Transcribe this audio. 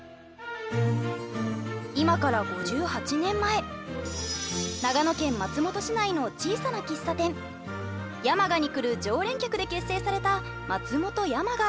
今から５８年前長野県松本市内の小さな喫茶店「山雅」に来る常連客で結成された松本山雅。